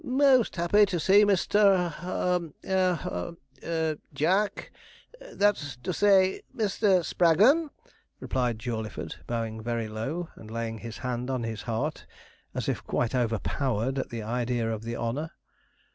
'Most happy to see Mr. ha hum haw Jack that's to say, Mr. Spraggon,' replied Jawleyford, bowing very low, and laying his hand on his heart, as if quite overpowered at the idea of the honour.